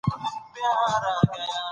را به شو د پښتو ژبي د شعر نړۍ ته